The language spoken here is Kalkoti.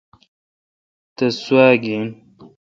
تس سوا گین۔